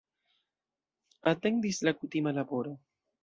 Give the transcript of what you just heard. Atendis la kutima laboro.